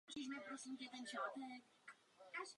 Bud Abbott má tři hvězdy na Hollywoodském chodníku slávy.